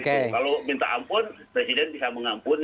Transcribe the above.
kalau minta ampun presiden bisa mengampuni